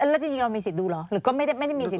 แล้วจริงเรามีสิทธิ์ดูเหรอหรือก็ไม่ได้มีสิท